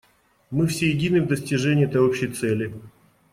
Мы все едины в достижении этой общей цели.